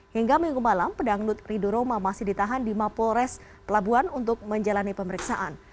hingga minggu malam pedangdut rido roma masih ditahan di mapolres pelabuhan untuk menjalani pemeriksaan